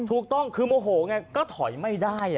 ถูกต้องคือโมโหไงก็ถอยไม่ได้